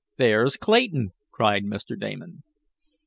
"There's Clayton!" cried Mr. Damon.